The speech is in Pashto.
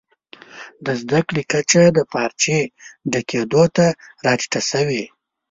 د زده کړي کچه د پارچې ډکېدو ته راټیټه سوې.